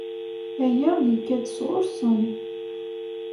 Aya yekka-d sɣur-sen.